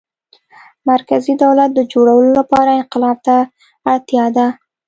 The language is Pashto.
مرکزي دولت د جوړولو لپاره انقلاب ته اړتیا ده.